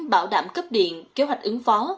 bảo đảm cấp điện kế hoạch ứng phó